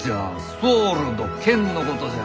ソールド剣のことじゃ。